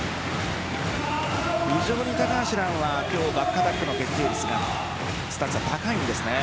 非常に高橋藍は今日、バックアタックの決定率スタッツが高いんですね。